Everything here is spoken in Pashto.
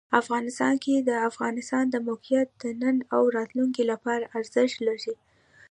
افغانستان کې د افغانستان د موقعیت د نن او راتلونکي لپاره ارزښت لري.